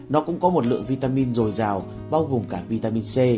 nó cũng có một lượng vitamin dồi dào bao gồm cả vitamin c